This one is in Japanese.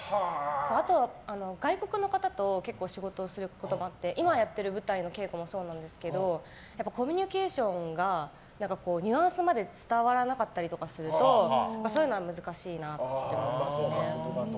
あと外国の方と仕事をすることがあって今やっている舞台の稽古もそうなんですけどコミュニケーションがニュアンスまで伝わらなかったりするとそういうのは難しいなと思いますね。